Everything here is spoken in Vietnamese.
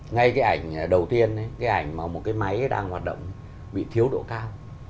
ngay cái ảnh đầu tiên cái ảnh mà một cái máy đang hoạt động bị thiếu độ cao